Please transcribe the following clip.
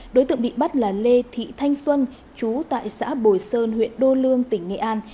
đối tượng bị bắt là lê thị thanh xuân chú tại xã bồi sơn huyện đô lương tỉnh nghệ an